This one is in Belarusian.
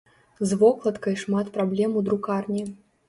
З вокладкай шмат праблем у друкарні.